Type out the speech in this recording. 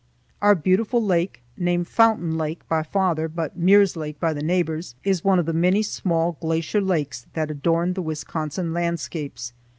Our beautiful lake, named Fountain Lake by father, but Muir's Lake by the neighbors, is one of the many small glacier lakes that adorn the Wisconsin landscapes.